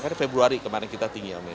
pada februari kemarin kita tinggalin